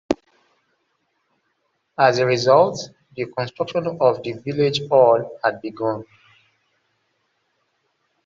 As a result, the construction of the village hall had begun.